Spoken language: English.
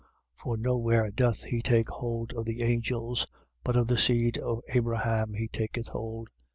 2:16. For nowhere doth he take hold of the angels: but of the seed of Abraham he taketh hold.